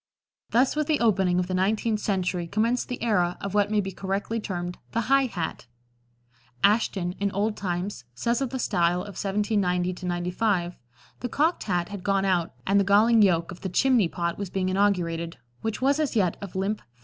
Thus with the opening of the nineteenth century commenced the era of what may be correctly termed the high hat. Ashton, in "Old Times," says of the style of 1790 95: "The 'cocked' hat had gone out, and the galling yoke of the 'chimney pot' was being inaugurated, which was as yet of limp felt."